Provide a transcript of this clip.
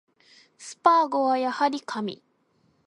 スパーゴはやはり神